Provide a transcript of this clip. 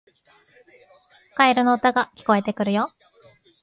カエルの歌が聞こえてくるよ